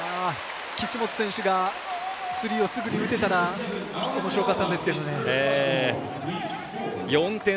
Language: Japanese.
岸本選手がスリーをすぐに打てたらおもしろかったんですが。